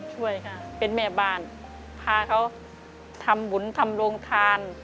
ช่วยค่ะเป็นแม่บ้านพาเขาทำบุญทำโรงทาน